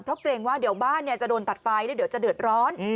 เพราะเกรงว่าเดี๋ยวบ้านจะโดนตัดไฟแล้วเดี๋ยวจะเดือดร้อน